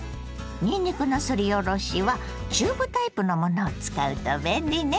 にんにくのすりおろしはチューブタイプのものを使うと便利ね。